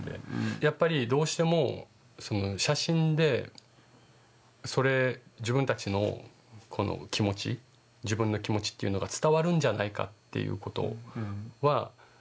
やっぱりどうしてもその写真で自分たちのこの気持ち自分の気持ちっていうのが伝わるんじゃないかっていうことは模索するっていうか